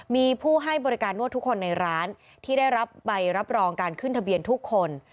มีผู้ให้บริการนวดทุกคนในร้านที่ได้รับใบรับรองการขึ้นทะเบียนทุกคน